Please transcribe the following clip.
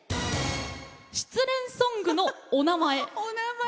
「失恋ソングのおなまえ」。